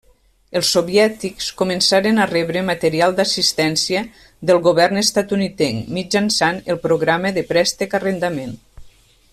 Els soviètics començaren a rebre material d'assistència del govern estatunidenc mitjançant el programa del Préstec-Arrendament.